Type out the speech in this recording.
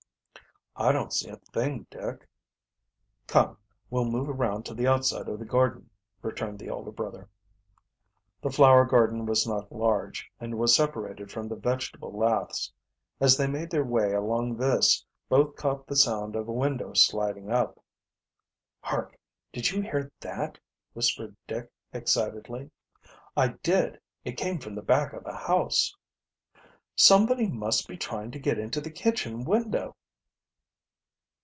"I don't see a thing, Dick." "Come, we'll move around to the outside of the garden," returned the older brother. The flower garden was not large, and was separated from the vegetable laths. As they made their way along this, both caught the sound of a window sliding up. "Hark! Did you hear that?" whispered Dick excitedly. "I did. It came from the back of the house." "Somebody must be trying to get into the kitchen window!"